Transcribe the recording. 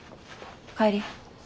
帰り。